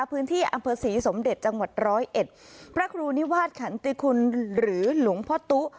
พื้นที่อำเภอศรีสมเด็จจังหวัดร้อยเอ็ดพระครูนิวาสขันติคุณหรือหลวงพ่อตุ๊